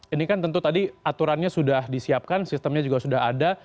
ini kan tentu tadi aturannya sudah disiapkan sistemnya juga sudah ada